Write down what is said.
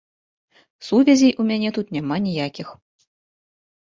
Сувязей у мяне тут няма ніякіх.